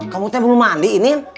kamu teh belum mandi ini